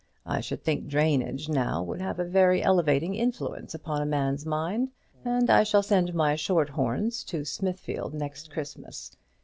I should think drainage now would have a very elevating influence upon a man's mind; and I shall send my short horns to Smithfield next Christmas.